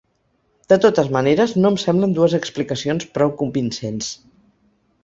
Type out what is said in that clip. De totes maneres, no em semblen dues explicacions prou convincents.